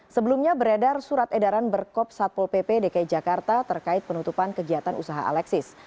sebelumnya beredar surat edaran berkop satpol pp dki jakarta terkait penutupan kegiatan usaha alexis